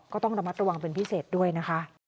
ก็ต้องระมัดระวังเป็นพิเศษด้วยนะคะ